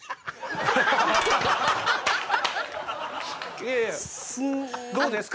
いやいやどうですか？